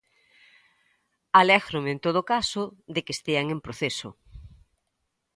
Alégrome, en todo caso, de que estean en proceso.